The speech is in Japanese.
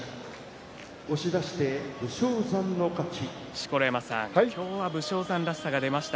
錣山さん、今日は武将山らしさが出ました。